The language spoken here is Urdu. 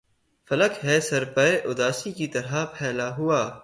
فلک ہے سر پہ اُداسی کی طرح پھیلا ہُوا